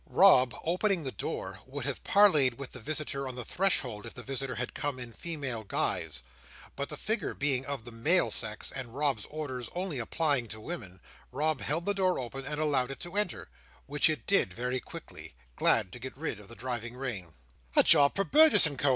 Rob, opening the door, would have parleyed with the visitor on the threshold if the visitor had come in female guise; but the figure being of the male sex, and Rob's orders only applying to women, Rob held the door open and allowed it to enter: which it did very quickly, glad to get out of the driving rain. "A job for Burgess and Co.